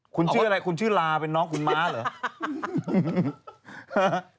คุณชื่ออะไรคุณชื่อลาเป็นน้องคุณม้าเหรอ